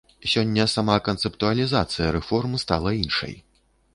Сёння сама канцэптуалізацыя рэформ стала іншай.